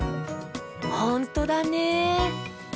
ほんとだね。